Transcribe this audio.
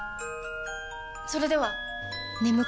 それでは！